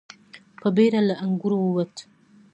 په بېړه له انګړه ووت.